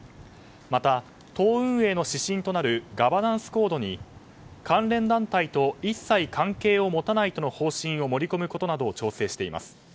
また、党運営の指針となるガバナンスコードに関連団体と一切関係を持たないとの方針を盛り込むことなどを調整しています。